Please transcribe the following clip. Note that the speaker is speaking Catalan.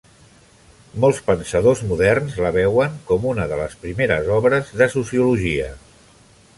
Molts pensadors moderns la veuen com una de les primeres obres de sociologia.